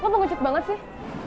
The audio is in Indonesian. lo pengecut banget sih